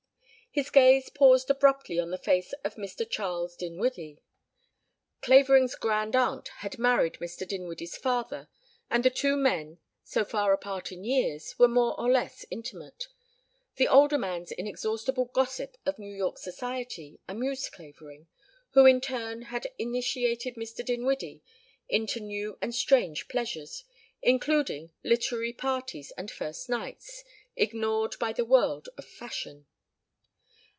His gaze paused abruptly on the face of Mr. Charles Dinwiddie. Clavering's grand aunt had married Mr. Dinwiddie's father and the two men, so far apart in years, were more or less intimate; the older man's inexhaustible gossip of New York Society amused Clavering, who in turn had initiated Mr. Dinwiddie into new and strange pleasures, including literary parties and first nights ignored by the world of fashion.